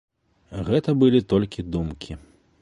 Гэта былі толькі думкі.